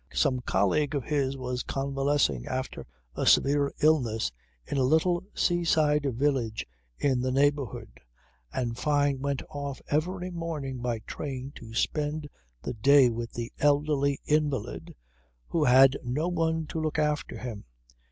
Some colleague of his was convalescing after a severe illness in a little seaside village in the neighbourhood and Fyne went off every morning by train to spend the day with the elderly invalid who had no one to look after him.